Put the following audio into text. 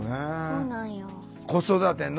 そうなんや。